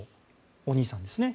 お兄さんですね。